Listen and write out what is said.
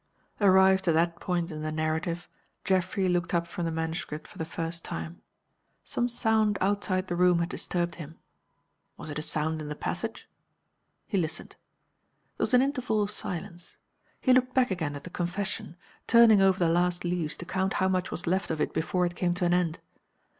Arrived at that point in the narrative, Geoffrey looked up from the manuscript for the first time. Some sound outside the room had disturbed him. Was it a sound in the passage? He listened. There was an interval of silence. He looked back again at the Confession, turning over the last leaves to count how much was left of it before it came to an end.